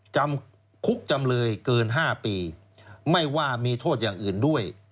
จำคุกจำเลยเกิน๕ปีไม่ว่ามีโทษอย่างอื่นด้วย